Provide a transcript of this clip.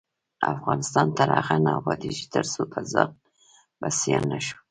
افغانستان تر هغو نه ابادیږي، ترڅو پر ځان بسیا نشو.